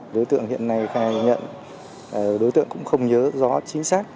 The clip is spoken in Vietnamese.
đối tượng hiện nay khai nhận đối tượng cũng không nhớ rõ chính xác